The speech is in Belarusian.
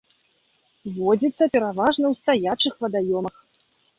Водзіцца пераважна ў стаячых вадаёмах.